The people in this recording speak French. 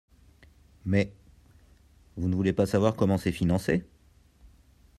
Mais… Vous ne voulez pas savoir comment c’est financé.